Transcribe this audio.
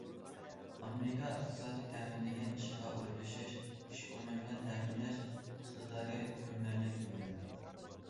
ئامېرىكا ئىقتىسادى تەمىنلىگەن ئىشقا ئورۇنلىشىش ئىش ئورنى بىلەن تەمىنلەش ئىقتىدارى كۆرۈنەرلىك تۆۋەنلىدى.